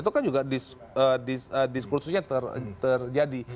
itu kan juga diskursusnya terjadi